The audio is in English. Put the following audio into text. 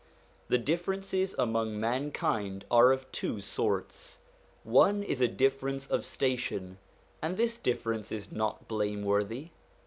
The differences among mankind are of two sorts : one is a difference of station, and this difference is not blameworthy.